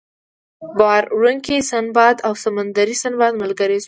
بار وړونکی سنباد او سمندري سنباد ملګري شول.